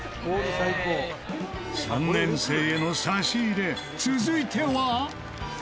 ３年生への差し入れ続いては